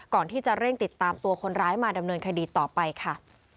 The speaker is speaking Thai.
ก่อนที่จะเร่งติดตามตัวคนร้ายมาดำเนินคดีต่อไปค่ะ